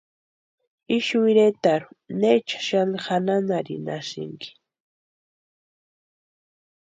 ¿Ixu iretarhu neecha sáni janhanharhinhasïnki?